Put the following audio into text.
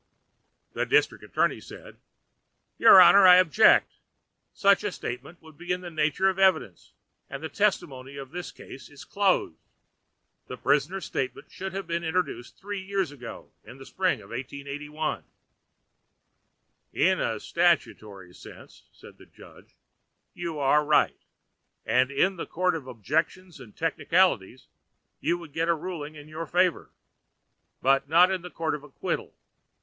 The district attorney said: "Your Honor, I object. Such a statement would be in the nature of evidence, and the testimony in this case is closed. The prisoner's statement should have been introduced three years ago, in the spring of 1881." "In a statutory sense," said the judge, "you are right, and in the Court of Objections and Technicalities you would get a ruling in your favor. But not in a Court of Acquittal.